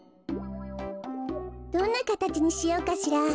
どんなかたちにしようかしら。